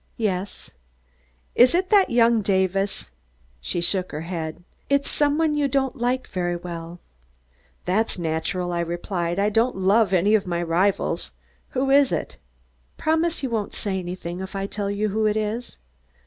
"Yes." "Is it that young Davis?" She shook her head. "It's some one you don't like very well." "That's natural," I replied. "I don't love any of my rivals. Who is it?" "Promise you won't say anything if I tell you who it is?"